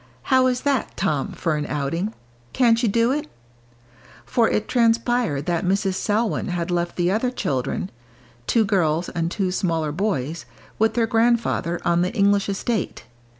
"How is that, Tom, for an outing? Can't you do it?" For it transpired that Mrs. Selwyn had left the other children, two girls and two smaller boys, with their grandfather, on the English estate.